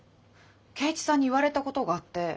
圭一さんに言われたことがあって。